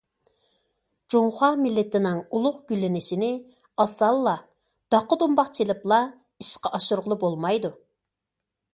جۇڭخۇا مىللىتىنىڭ ئۇلۇغ گۈللىنىشىنى ئاسانلا، داقا- دۇمباق چېلىپلا ئىشقا ئاشۇرغىلى بولمايدۇ.